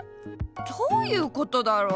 どういうことだろう？